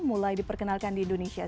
mulai diperkenalkan di indonesia